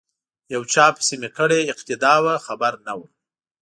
یو چا پسې می کړې اقتدا وه خبر نه وم